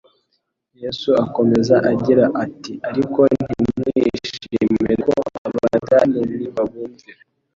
Yesu akomeza agira ati: «Ariko ntimwishimire ko abadaimoni babumvira.